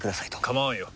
構わんよ。